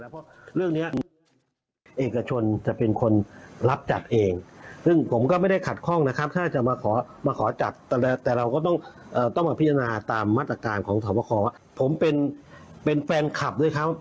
ผมเป็นแฟนคลับด้วยครับด้วยซ้ำนะครับ